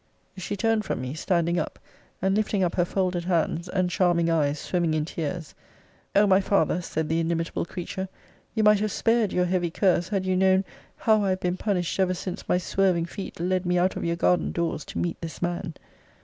She turned from me, standing up; and, lifting up her folded hands, and charming eyes swimming in tears, O my father, said the inimitable creature, you might have spared your heavy curse, had you known how I have been punished ever since my swerving feet led me out of your garden doors to meet this man!